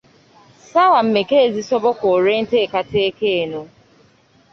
Saawa mmeka ezisoboka olw’enteekateeka eno?